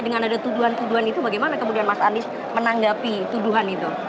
dengan ada tuduhan tuduhan itu bagaimana kemudian mas anies menanggapi tuduhan itu